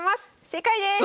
正解です！